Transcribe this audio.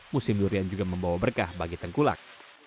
musim durian juga membawa berkah bagi tengkulak